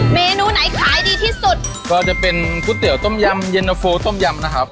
เมนูไหนขายดีที่สุดก็จะเป็นก๋วยเตี๋ยวต้มยำเย็นตะโฟต้มยำนะครับ